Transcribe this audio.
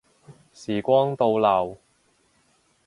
時光倒流